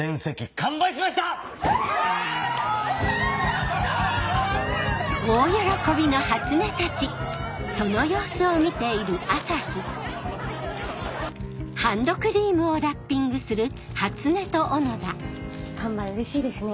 完売うれしいですね。